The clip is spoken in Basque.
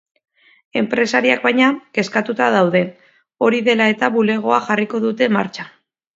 Enpresariak baina, kezkatuta daude, hori dela eta bulegoa jarriko dute martxan.